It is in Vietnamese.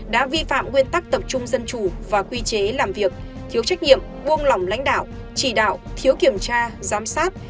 đã vi phạm nguyên tắc tập trung dân chủ và quy chế làm việc thiếu trách nhiệm buông lỏng lãnh đạo chỉ đạo thiếu kiểm tra giám sát